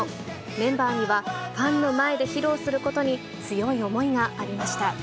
メンバーには、ファンの前で披露することに強い思いがありました。